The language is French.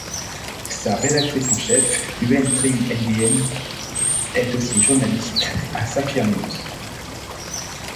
Sa rédactrice en chef, Huê Trinh Nguyên, est aussi journaliste à Saphirnews.